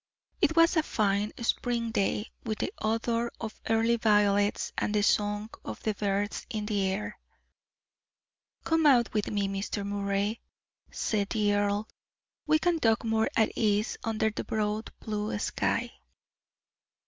It was a fine spring day, with the odor of early violets and the song of the birds in the air. "Come out with me, Mr. Moray," said the earl; "we can talk more at ease under the broad blue sky."